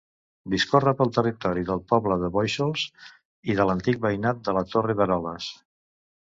Discorre pel territori del poble de Bóixols i de l'antic veïnat de la Torre d'Eroles.